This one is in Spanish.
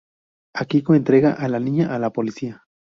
Akiko entrega a la niña a la policía.